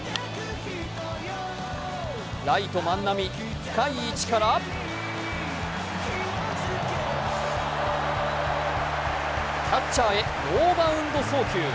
ライト・万波深い位置からキャッチャーへ、ノーバウンド送球